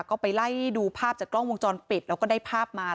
ก็ไปไล่ดูภาพจากกล้องวงจรปิดแล้วก็ได้ภาพมา